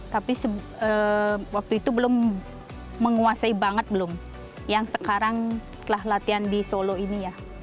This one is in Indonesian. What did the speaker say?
tapi waktu itu belum menguasai banget belum yang sekarang telah latihan di solo ini ya